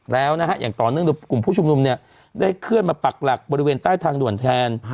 แล้วนะฮะอย่างต่อเนื่องโดยกลุ่มผู้ชุมนุมเนี่ยได้เคลื่อนมาปักหลักบริเวณใต้ทางด่วนแทน